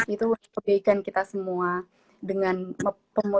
itu memperbaikkan kita semua dengan penundaan penerbangan